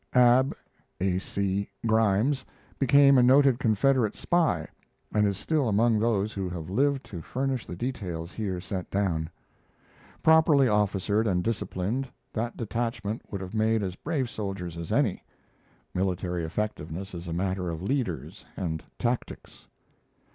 Ab (A. C.) Grimes became a noted Confederate spy and is still among those who have lived to furnish the details here set down. Properly officered and disciplined, that detachment would have made as brave soldiers as any. Military effectiveness is a matter of leaders and tactics.